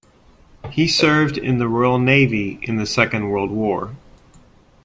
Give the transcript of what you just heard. He served in the Royal Navy in the Second World War.